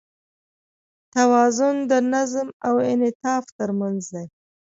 توازن د نظم او انعطاف تر منځ دی.